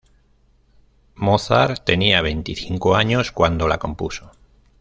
Mozart tenía veinticinco años cuando la compuso.